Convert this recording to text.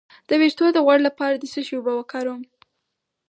د ویښتو د غوړ لپاره د څه شي اوبه وکاروم؟